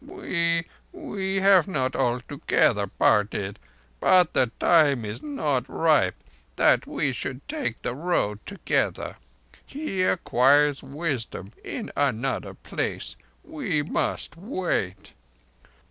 "We—we have not altogether parted, but the time is not ripe that we should take the Road together. He acquires wisdom in another place. We must wait."